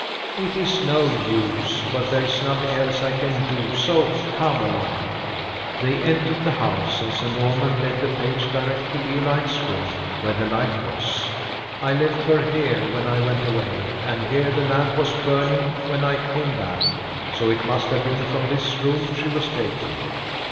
"It is no use; but there is nothing else I can do; so come along!" They entered the house, and Sir Norman led the page direct to Leoline's room, where the light was. "I left her here when I went away, and here the lamp was burning when I came back: so it must have been from this room she was taken."